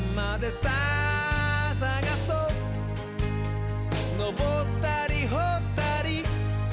「さあさがそうのぼったりほったり」